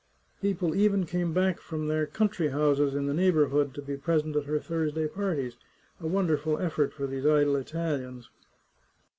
People even came back from their country houses in the neighbourhood to be present at her Thursday parties, a wonderful effort for these idle Italians.